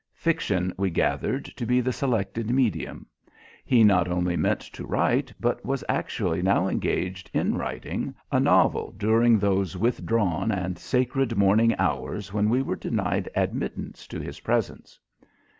Fiction, we gathered to be the selected medium. He not only meant to write, but was actually now engaged in writing, a novel during those withdrawn and sacred morning hours when we were denied admittance to his presence.